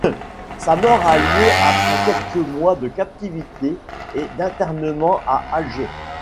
Sa mort a lieu après quelques mois de captivité et d'internement à Alger.